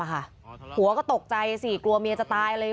หัวก็ตกใจสิกลัวเมียจะตายเลย